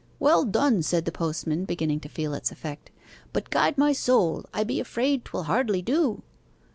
'Well done!' said the postman, beginning to feel its effect; 'but guide my soul, I be afraid 'twill hardly do!